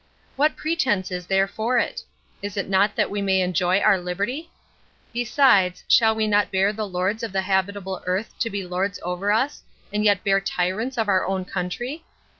] What pretense is there for it? Is it not that we may enjoy our liberty? Besides, shall we not bear the lords of the habitable earth to be lords over us, and yet bear tyrants of our own country?